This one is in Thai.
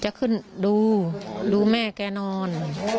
จะขึ้นดูดูแม่แกนอน